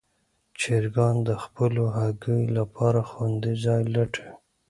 چرګان د خپلو هګیو لپاره خوندي ځای لټوي.